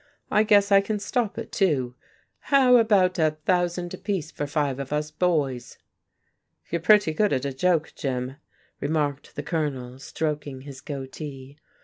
I guess I can stop it, too. How about a thousand apiece for five of us boys?" "You're pretty good at a joke, Jim," remarked the Colonel, stroking his goatee.